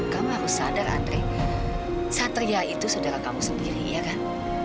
kamu harus sadar andre satria itu saudara kamu sendiri ya kan